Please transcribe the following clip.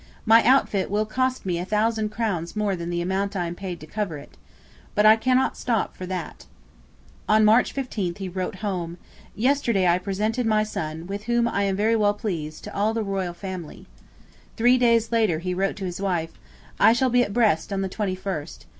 My outfit will cost me a thousand crowns more than the amount I am paid to cover it. But I cannot stop for that.' On March 15 he wrote home: 'Yesterday I presented my son, with whom I am very well pleased, to all the royal family.' Three days later he wrote to his wife: 'I shall be at Brest on the twenty first.